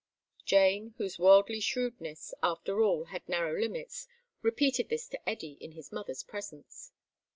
Jane, whose worldly shrewdness after all had narrow limits, repeated this to Eddy in his mother's presence.